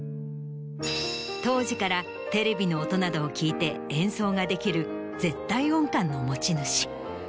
当時からテレビの音などを聞いて演奏ができる絶対音感の持ち主。